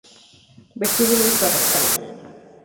Vestíbulo El Carrascal